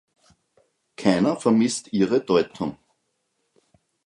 Keiner vermisst ihre Deutung.